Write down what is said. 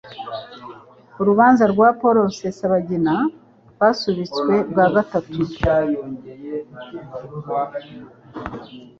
Urubanza rwa Paul Rusesabagina Rwasubitswe bwa Gatatu